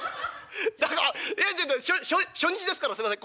誰かしょしょ初日ですからすいません